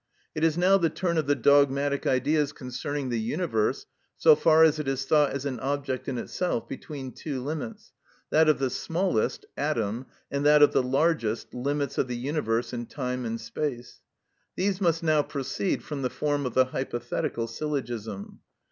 It is now the turn of the dogmatic ideas concerning the universe, so far as it is thought as an object in itself, between two limits—that of the smallest (atom), and that of the largest (limits of the universe in time and space). These must now proceed from the form of the hypothetical syllogism.